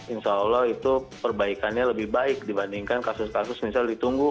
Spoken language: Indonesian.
insya allah itu perbaikannya lebih baik dibandingkan kasus kasus misalnya ditunggu